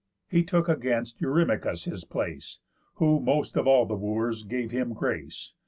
He took against Eurymachus his place, Who most of all the Wooers gave him grace.